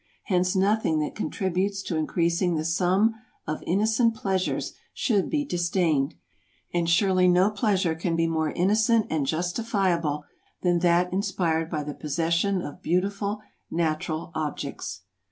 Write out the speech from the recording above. Hence nothing that contributes to increasing the sum of innocent pleasures should be disdained; and surely no pleasure can be more innocent and justifiable than that inspired by the possession of beautiful natural objects.